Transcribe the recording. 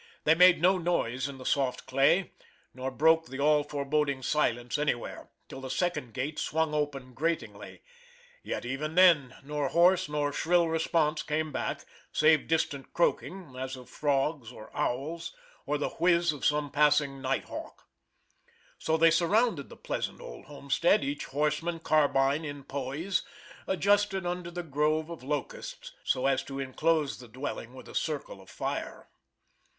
They made no noise in the soft clay, nor broke the all foreboding silence anywhere, till the second gate swung open gratingly, yet even then nor hoarse nor shrill response came back, save distant croaking, as of frogs or owls, or the whizz of some passing night hawk. So they surrounded the pleasant old homestead, each horseman, carbine in poise, adjusted under the grove of locusts, so as to inclose the dwelling with a circle of fire.